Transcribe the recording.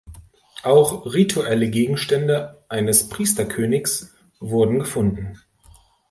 Auch rituelle Gegenstände eines Priesterkönigs wurden gefunden.